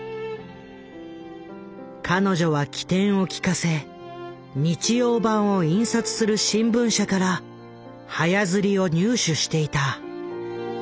彼女は機転を利かせ日曜版を印刷する新聞社から早刷りを入手していた。